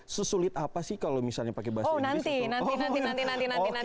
sesulit apa sih kalau misalnya pakai bahasa inggris oh nanti nanti nanti nanti nanti nanti